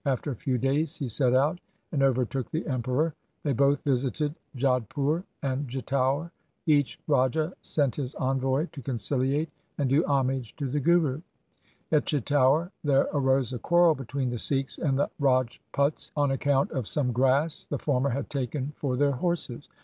After a few days he set out and overtook the Emperor. They both visited Jodhpur and Chitaur. Each raja sent his envoy to conciliate and do homage to the Guru. At Chitaur there arose a quarrel between the Sikhs and the Rajputs on account of some grass the former had taken for their horses.